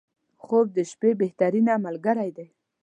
• خوب د شپې بهترینه ملګری دی.